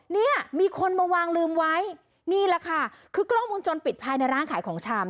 เนี่ยมีคนมาวางลืมไว้นี่แหละค่ะคือกล้องวงจรปิดภายในร้านขายของชำ